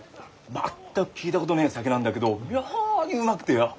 全く聞いたことねえ酒なんだけど妙にうまくてよ。